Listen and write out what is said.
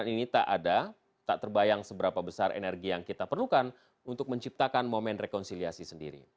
ini tak ada tak terbayang seberapa besar energi yang kita perlukan untuk menciptakan momen rekonsiliasi sendiri